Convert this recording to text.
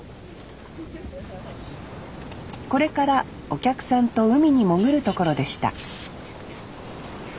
これからお客さんと海に潜るところでした